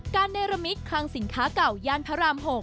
การได้ระมิกคลังสินค้าเก่ายานพระราม๖